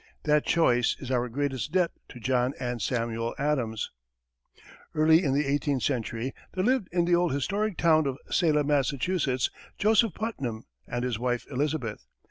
That choice is our greatest debt to John and Samuel Adams. Early in the eighteenth century, there lived in the old historic town of Salem, Massachusetts, Joseph Putnam and his wife, Elizabeth.